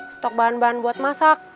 stok bahan bahan buat masak